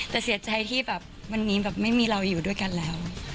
แต่เสียใจที่แบบวันนี้แบบไม่มีเราอยู่ด้วยกันแล้ว